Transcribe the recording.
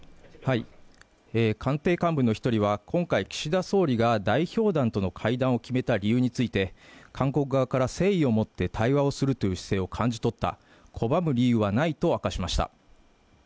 官邸幹部の一人は今回岸田総理が代表団との会談を決めた理由について韓国側から誠意を持って対話をするという姿勢を感じ取った拒む理由はないと明かしました